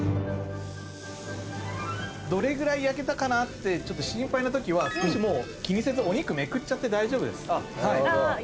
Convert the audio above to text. どれぐらい焼けたかなって心配なときは気にせずお肉めくっちゃって大丈夫です。